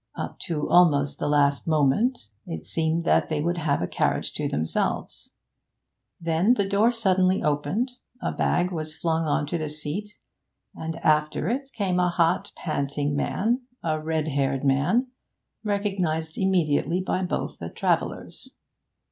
Up to almost the last moment it seemed that they would have a carriage to themselves. Then the door suddenly opened, a bag was flung on to the seat, and after it came a hot, panting man, a red haired man, recognised immediately by both the travellers.